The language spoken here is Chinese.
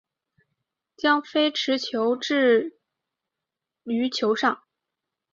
将非持球脚置于球上。